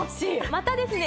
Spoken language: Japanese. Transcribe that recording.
またですね